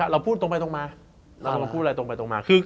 เราพูดตรงไปตรงมา